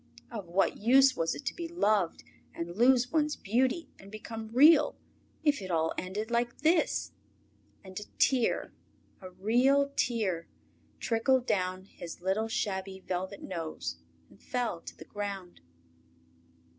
Of what use was it to be loved and lose one's beauty and become Real if it all ended like this? And a tear, a real tear, trickled down his little shabby velvet nose and fell to the ground.